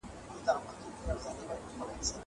کېدای سي کار ستونزي ولري!!